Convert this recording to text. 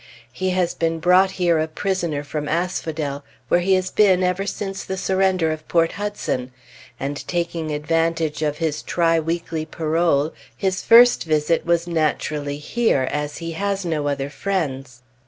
He has been brought here a prisoner, from Asphodel, where he has been ever since the surrender of Port Hudson, and taking advantage of his tri weekly parole, his first visit was naturally here, as he has no other friends.